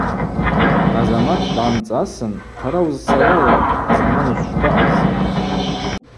Азамат дгӏамцӏасын: – Хъара уызцауайа – хӏзаманыжв шпаъаз.